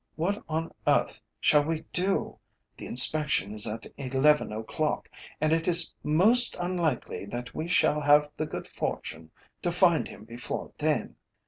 What on earth shall we do? The inspection is at eleven o'clock, and it is most unlikely that we shall have the good fortune to find him before then."